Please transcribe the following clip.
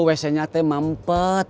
wc nya teh mampet